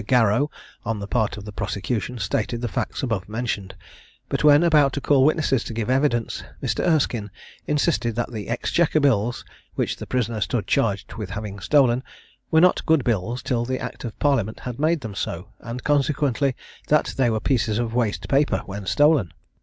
Garrow, on the part of the prosecution, stated the facts above mentioned; but when about to call witnesses to give evidence, Mr. Erskine insisted that the exchequer bills, which the prisoner stood charged with having stolen, were not good bills till the act of parliament had made them so, and consequently that they were pieces of waste paper when stolen.